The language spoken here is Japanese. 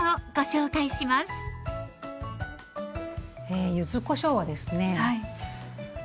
柚子こしょうはですね